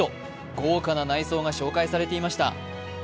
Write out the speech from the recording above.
豪華な内装が紹介されていました。